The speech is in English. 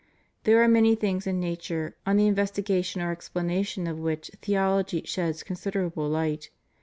There are many things in nature on the investigation or explanation of which theology sheds considerable light.